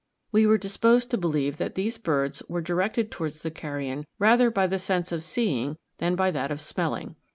We were disposed to believe that these birds were directed towards the carrion rather by the sense of seeing than by that of smelling.